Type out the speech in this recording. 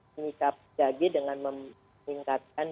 mengikap jagi dengan memingkatkan